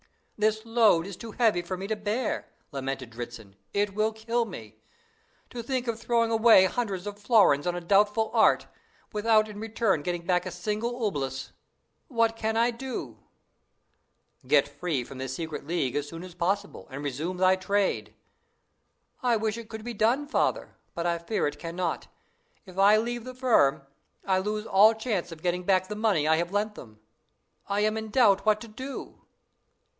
"This load is too heavy for me to bear," lamented Dritzhn; "it will kill me! To think of throwing away hundreds of florins on a doubtful art, without in return getting back a single obolus! What can I do?" The very expression of Dritzhn at confessional. "Get free from this secret league as soon as possible, and resume thy trade." "I wish it could be done, Father, but I fear it cannot. If I leave the firm, I shall lose all chance of getting back the money I have lent them. I am in doubt what to do."